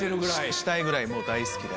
したいぐらい大好きで。